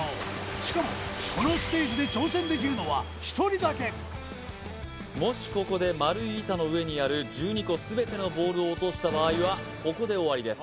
しかもこのステージで挑戦できるのは１人だけもしここで丸い板の上にある１２個全てのボールを落とした場合はここで終わりです